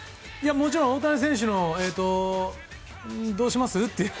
もちろん大谷選手どうします？っていう。